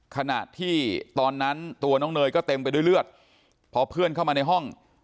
ขณะที่ตอนนั้นตัวน้องเนยก็เต็มไปด้วยเลือดพอเพื่อนเข้ามาในห้อง